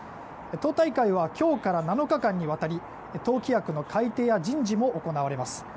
党大会は今日から７日間にわたり党規約の改定や人事も行われます。